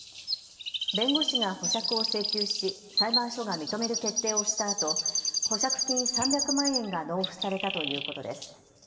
弁護士が保釈を請求し裁判所が認める決定をしたあと保釈金３００万円が納付されたということです。